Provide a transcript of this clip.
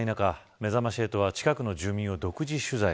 めざまし８は近くの住民を独自取材。